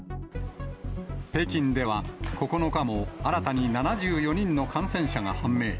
北京では、９日も新たに７４人の感染者が判明。